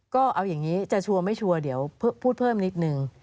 ก็เอาอย่างนี้จะชัวร์ไม่ชัวร์เดี๋ยวพูดเพิ่มนิดนึง